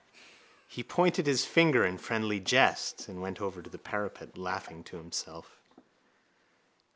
He pointed his finger in friendly jest and went over to the parapet, laughing to himself.